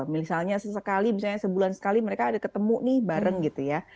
misalnya sesekali misalnya sebulan sekali mereka ada ketemu nih bareng gitu ya